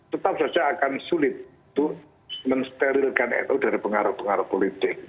tetap saja akan sulit untuk mensterilkan nu dari pengaruh pengaruh politik